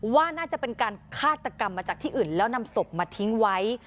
ว่าน่าจะเป็นการฆาตกรรมมาจากที่อื่นแล้วนำศพมาทิ้งไว้